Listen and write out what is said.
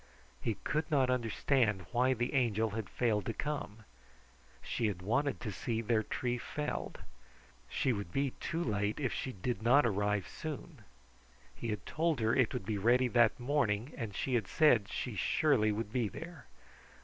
He could not understand why the Angel had failed to come. She had wanted to see their tree felled. She would be too late if she did not arrive soon. He had told her it would be ready that morning, and she had said she surely would be there.